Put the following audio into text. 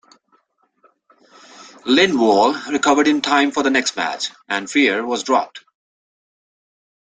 Lindwall recovered in time for the next match, and Freer was dropped.